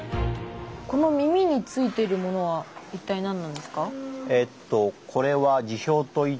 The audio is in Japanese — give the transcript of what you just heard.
この耳についてるものはいったいなんなんですか？